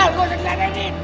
ah gue sedih nenit